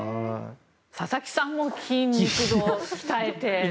佐々木さんも筋肉を鍛えて。